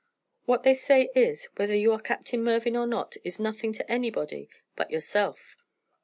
What they say is, whether you are Captain Mervyn or not is nothing to anybody but yourself.